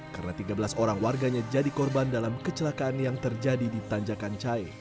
karena tiga belas orang warganya jadi korban dalam kecelakaan yang terjadi di tanjakan cae